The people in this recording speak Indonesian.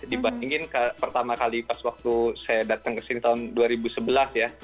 dibandingin pertama kali pas waktu saya datang ke sini tahun dua ribu sebelas ya